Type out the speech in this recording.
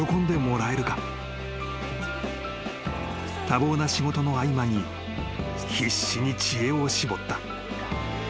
［多忙な仕事の合間に必死に知恵を絞った］